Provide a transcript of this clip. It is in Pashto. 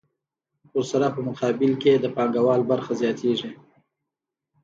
ورسره په مقابل کې د پانګوال برخه زیاتېږي